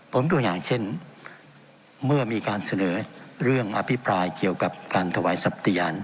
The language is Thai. ผมตัวอย่างเช่นเมื่อมีการเสนอเรื่องอภิปรายเกี่ยวกับการถวายทรัพยาน